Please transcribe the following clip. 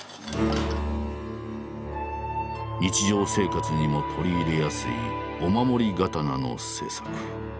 日常生活にも取り入れやすいお守り刀の制作。